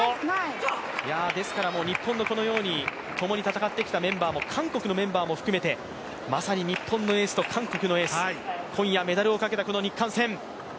日本の共に戦ってきたメンバーも韓国のメンバーも含めてまさに日本のエースと韓国のエース、今夜メダルをかけた、この日韓戦。